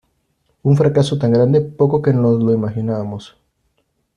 Un fracaso tan grande poco que nos lo imaginábamos.